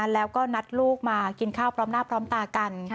แล้วก็นัดลูกมากินข้าวพร้อมหน้าพร้อมตากัน